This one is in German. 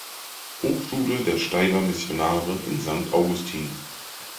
Hochschule der Steyler Missionare in Sankt Augustin.